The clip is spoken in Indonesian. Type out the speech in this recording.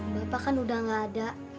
bapak kan udah gak ada